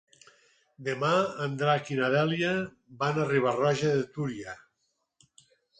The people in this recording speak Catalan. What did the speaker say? Demà en Drac i na Dèlia van a Riba-roja de Túria.